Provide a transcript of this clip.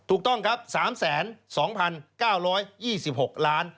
ถูกต้องครับ๓๒๙๒๖ล้าน